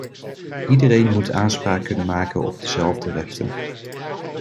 Iedereen moet aanspraak kunnen maken op dezelfde rechten.